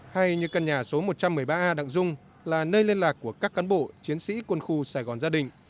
hay như căn nhà số một trăm một mươi ba a đặng dung là nơi liên lạc của các cán bộ chiến sĩ quân khu sài gòn gia đình